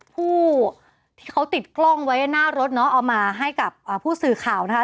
ผู้ที่เขาติดกล้องไว้หน้ารถเนาะเอามาให้กับผู้สื่อข่าวนะคะ